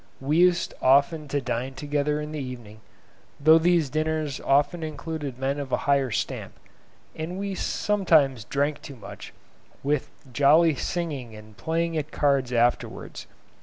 We used often to dine together in the evening, though these dinners often included men of a higher stamp, and we sometimes drank too much, with jolly singing and playing at cards afterwards.